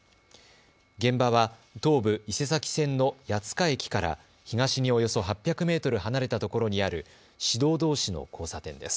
現場は東武伊勢崎線の谷塚駅から東におよそ８００メートル離れたところにある市道どうしの交差点です。